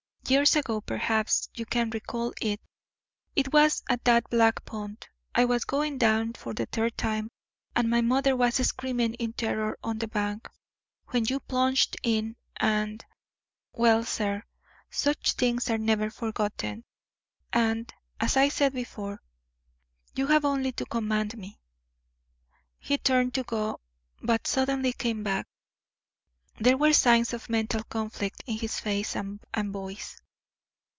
Years ago perhaps you can recall it it was at the Black Pond I was going down for the third time and my mother was screaming in terror on the bank, when you plunged in and Well, sir, such things are never forgotten, and, as I said before, you have only to command me." He turned to go, but suddenly came back. There were signs of mental conflict in his face and voice.